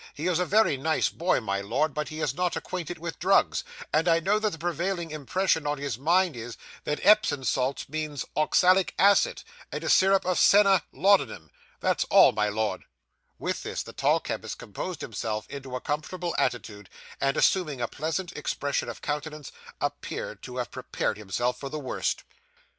He is a very nice boy, my Lord, but he is not acquainted with drugs; and I know that the prevailing impression on his mind is, that Epsom salts means oxalic acid; and syrup of senna, laudanum. That's all, my Lord.' With this, the tall chemist composed himself into a comfortable attitude, and, assuming a pleasant expression of countenance, appeared to have prepared himself for the worst.